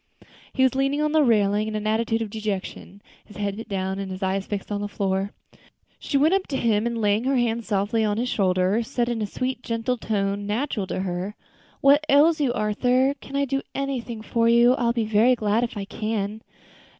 He was leaning on the railing in an attitude of dejection, his head bent down and his eyes fixed on the floor. She went up to him, and laying her hand softly on his shoulder, said, in the sweet, gentle tones natural to her. "What ails you, Arthur? Can I do anything for you? I will be very glad if I can."